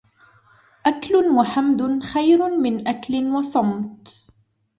أكل وحمد خير من أكل وصمت